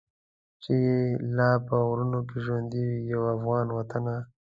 چي لا په غرونو کي ژوندی وي یو افغان وطنه.